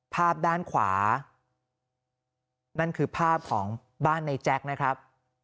ภาพด้านขวานั่นคือภาพของบ้านในแจ๊คนะครับ